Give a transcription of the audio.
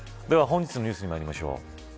では本日のニュースにまいりましょう。